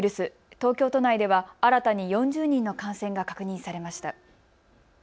東京都内では新たに４０人の感染が確認されました。